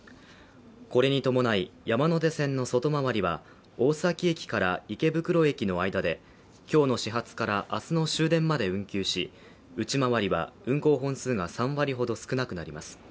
これに伴い、山手線の外回りは大崎駅から池袋駅の間で今日始発から明日の終電まで運休し、内回りは運行本数が３割ほど少なくなります。